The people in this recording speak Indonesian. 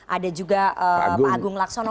ada juga pak agung laksono